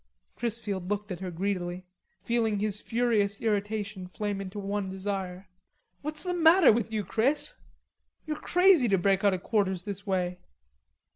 Chrisfield looked at her greedily, feeling his furious irritation flame into one desire. "What's the matter with you, Chris? You're crazy to break out of quarters this way?"